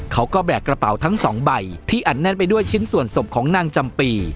แบกกระเป๋าทั้งสองใบที่อัดแน่นไปด้วยชิ้นส่วนศพของนางจำปี